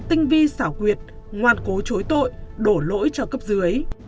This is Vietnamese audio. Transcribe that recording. tinh vi xảo quyệt ngoan cố chối tội đổ lỗi cho cấp dưới